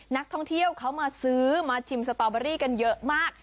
นักท่องเที่ยวเขามาซื้อมาชิมสตอเบอรี่กันเยอะมาก